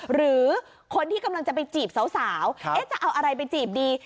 หรือคนที่กำลังจะไปจีบสาวจะเอาอะไรไปจีบดี